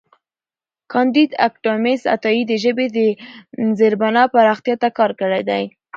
کانديد اکاډميسن عطايي د ژبې د زېربنا پراختیا ته کار کړی دی.